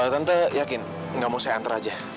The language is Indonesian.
tante yakin tidak mau saya hantar saja